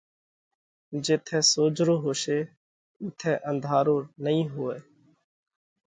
جيٿئہ سوجھرو هوشي اُوٿئہ انڌارو نئين هوئہ